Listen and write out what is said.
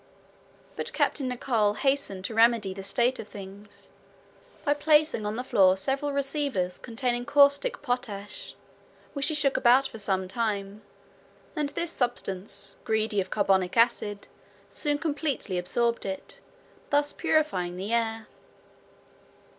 But Captain Nicholl hastened to remedy this state of things, by placing on the floor several receivers containing caustic potash, which he shook about for a time, and this substance, greedy of carbonic acid, soon completely absorbed it, thus purifying the air.